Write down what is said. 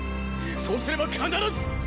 そうすれば必ず！